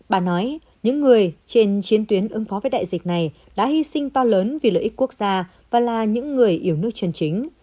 bà nói những người trên chiến tuyến ứng phó với đại dịch này đã hy sinh to lớn vì lợi ích quốc gia và là những người yêu nước chân chính